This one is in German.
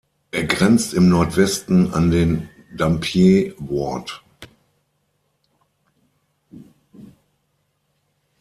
Er grenzt im Nordwesten an den "Dampier Ward".